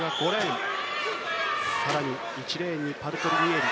更に、１レーンにパルトリニエリ。